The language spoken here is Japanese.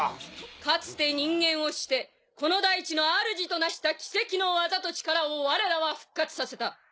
かつて人間をしてこの大地の主となした奇跡の技と力をわれらは復活させた。